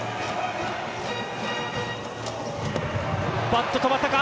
バット止まったか！